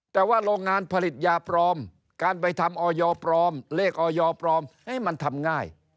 แต่ว่าโรงงานผลิตยาปลอมการไปทำออยปลอมเลขออยปลอมให้มันทำง่าย